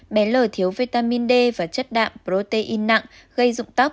bé lờ thiếu vitamin d và chất đạm protein nặng gây dụng tóc